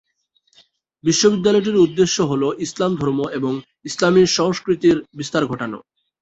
বিশ্ববিদ্যালয়টির উদ্দেশ্য হল ইসলাম ধর্ম এবং ইসলামী সংস্কৃতির বিস্তার ঘটানো।